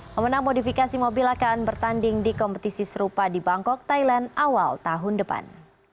pemenang modifikasi mobil akan bertanding di kompetisi serupa di bangkok thailand awal tahun depan